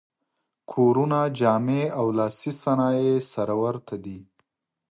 کورونه، جامې او لاسي صنایع یې سره ورته دي.